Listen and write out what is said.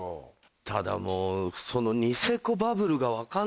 ただもうその。